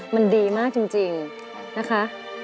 มันดีมากจริงนะคะ